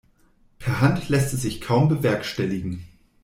Per Hand lässt es sich kaum bewerkstelligen.